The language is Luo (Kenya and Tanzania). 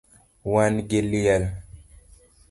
Wan gi liel